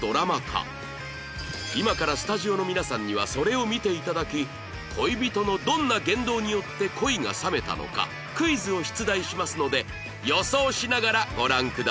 今からスタジオの皆さんにはそれを見て頂き恋人のどんな言動によって恋が冷めたのかクイズを出題しますので予想しながらご覧ください